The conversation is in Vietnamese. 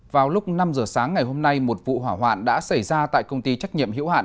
vào lúc năm giờ sáng ngày hôm nay một vụ hỏa hoạn đã xảy ra tại công ty trách nhiệm hiểu hạn